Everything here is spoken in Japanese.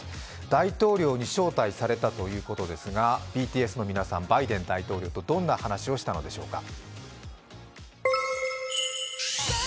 大統領に招待されたということですがＢＴＳの皆さん、バイデン大統領とどんな話をしたのでしょうか。